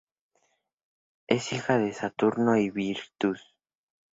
Es hija de Saturno y Virtus.